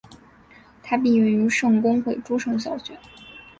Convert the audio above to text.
他毕业于圣公会诸圣小学。